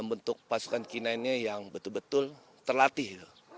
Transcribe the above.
untuk pasukan k sembilan nya yang betul betul terlatih